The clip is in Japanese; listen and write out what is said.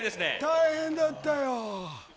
大変だったよ。